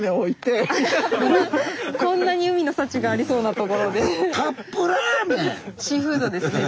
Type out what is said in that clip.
こんなに海の幸がありそうなところで。